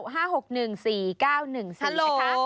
ฮัลโหล